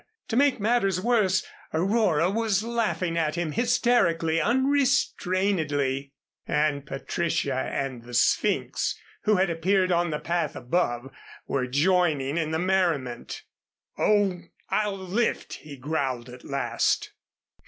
To make matters worse, Aurora was laughing at him, hysterically, unrestrainedly, and Patricia and the Sphynx, who had appeared on the path above, were joining in the merriment. "Oh, I'll lift," he growled at last.